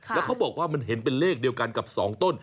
แล้วเขาบอกว่ามันเห็นเป็นเลขเดียวกันกับ๒ต้น